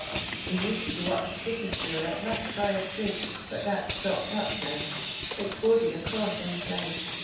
We used to go up the city sewer at Black friars bridge, but that 's stopped up now ; it 's boarded across inside.